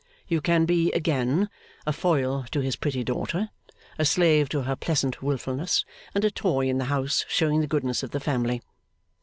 You can be, again, a foil to his pretty daughter, a slave to her pleasant wilfulness, and a toy in the house showing the goodness of the family.